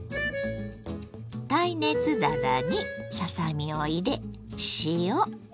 耐熱皿にささ身を入れ塩